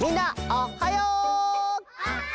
おっはよう！